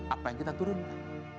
apa yang kita turunkan